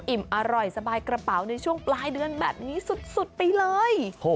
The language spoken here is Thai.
อร่อยสบายกระเป๋าในช่วงปลายเดือนแบบนี้สุดไปเลย